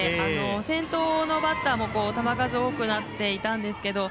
先頭のもバッターも球数多くなっていたんですけど